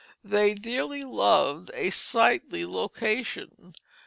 They dearly loved a "sightly location."